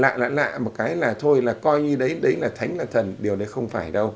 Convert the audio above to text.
lạ lạ lạ một cái là thôi là coi như đấy là thánh là thần điều đấy không phải đâu